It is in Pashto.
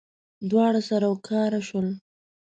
دواړه سره راوکاره شول.